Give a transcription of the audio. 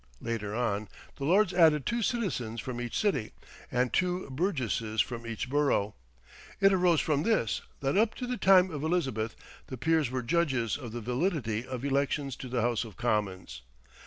Later on, the Lords added two citizens from each city, and two burgesses from each borough. It arose from this, that up to the time of Elizabeth the peers were judges of the validity of elections to the House of Commons.